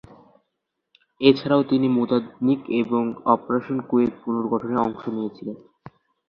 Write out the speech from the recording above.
এছাড়াও তিনি মোজাম্বিক এবং অপারেশন কুয়েত পুনর্গঠনে অংশ নিয়েছেন।